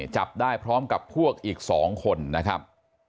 จับได้พร้อมกับพวกอีก๒คนนะครับ